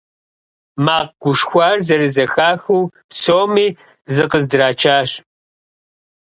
Макъ гушхуар зэрызэхахыу, псоми зыкъыздрачащ.